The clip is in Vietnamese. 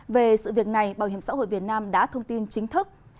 về sự việc này bảo hiểm xã hội việt nam đã thông tin chính thức